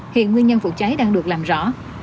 hiện nguyên nhân vụ cháy đang được làm rõ